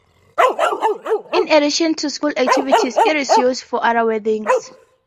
In addition to school activities it is used for other weddings.